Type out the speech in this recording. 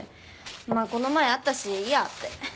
まあこの前会ったしいいやって。